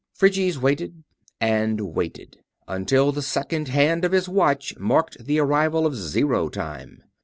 Phryges waited and waited until the second hand of his watch marked the arrival of zero time.